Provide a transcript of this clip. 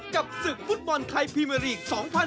กับศึกฟุตบอลไทยพรีเมอร์ลีก๒๐๑๖